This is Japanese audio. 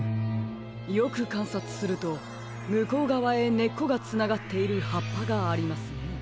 よくかんさつするとむこうがわへねっこがつながっているはっぱがありますね。